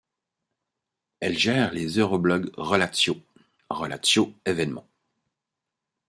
Elle gère les euroblogs Relatio, Relatio événements.